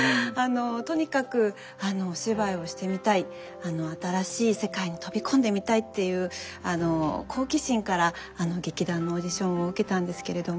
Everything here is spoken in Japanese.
とにかくお芝居をしてみたい新しい世界に飛び込んでみたいっていう好奇心から劇団のオーディションを受けたんですけれども。